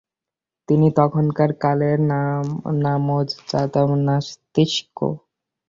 তিনি তখনকার কালের নামজাদা নাস্তিক।